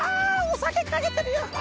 お酒かけてるよ！